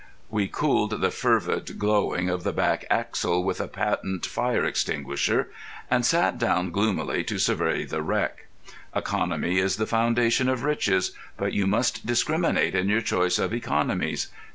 We cooled the fervid glowing of the back axle with a patent fire extinguisher, and sat down gloomily to survey the wreck. Economy is the foundation of riches, but you must discriminate in your choice of economies.